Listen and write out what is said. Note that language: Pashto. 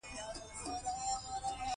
له کار نه مخ مه اړوئ په پښتو ژبه.